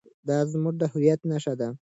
دا زموږ د هویت نښه ده.